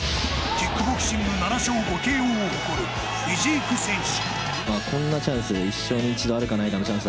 キックボクシング７勝５ＫＯを誇るフィジーク選手。